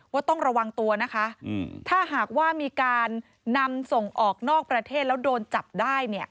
ต้องระวังตัวนะคะถ้าหากว่ามีการนำส่งออกนอกประเทศแล้วโดนจับได้เนี่ย